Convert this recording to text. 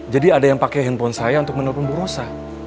jadi ada yang pakai handphone saya untuk menelpon bu rosa